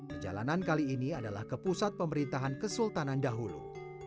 perjalanan kali ini adalah ke pusat pemerintahan kesultanan dahulu